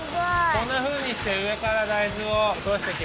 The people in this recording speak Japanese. こんなふうにしてうえから大豆をおとしていきます。